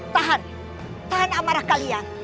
tahan tahan amarah kalian